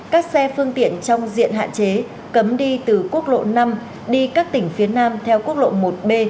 các xe phương tiện trong diện hạn chế cấm đi từ quốc lộ năm đi các tỉnh phía nam theo quốc lộ một b